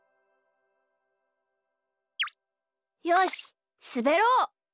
よしすべろう！